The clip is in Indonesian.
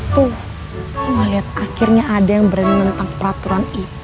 tuh aku melihat akhirnya ada yang berani nentang peraturan ipa di pns